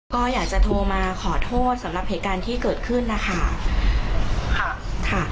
ก็อยากจะโทรมาขอโทษสำหรับเหตุการณ์ที่เกิดขึ้นนะคะค่ะ